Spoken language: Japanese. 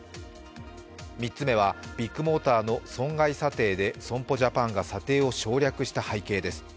３つ目はビッグモーターの損害査定で損保ジャパンが査定を省略した背景です。